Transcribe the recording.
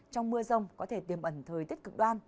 trong mưa rông có thể tiềm ẩn thời tiết cực đoan